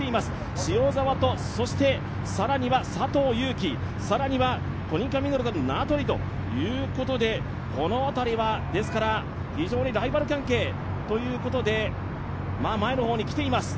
塩澤と更には佐藤悠基、更にはコニカミノルタの名取ということでこの辺りは非常にライバル関係ということで前の方に来ています。